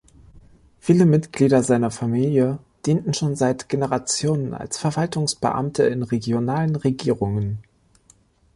Viele Mitglieder seiner Familie dienten schon seit Generationen als Verwaltungsbeamte in regionalen Regierungen.